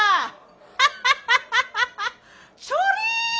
ハハハハハハッ！